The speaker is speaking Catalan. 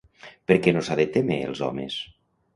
Per què no s'ha de témer els homes?